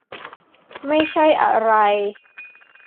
ไม่ใช่อะไร